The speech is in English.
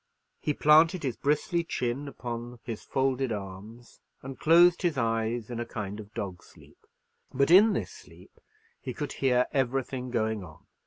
He planted his bristly chin upon his folded arms, and closed his eyes in a kind of dog sleep. But in this sleep he could hear everything going on.